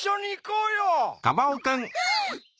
うん！